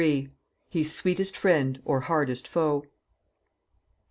"HE'S SWEETEST FRIEND, OR HARDEST FOE."